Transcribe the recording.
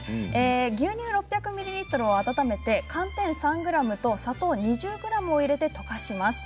牛乳６００ミリリットルを温めて寒天３ｇと砂糖２０ｇを入れて溶かします。